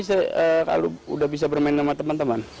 saat ini udah bisa bermain sama teman teman